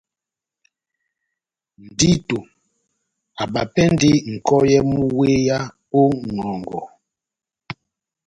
Ndito abapɛndi nʼkɔyɛ mú wéya ó ŋʼhɔngɔ.